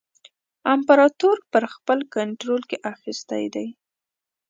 امپراطور په خپل کنټرول کې اخیستی دی.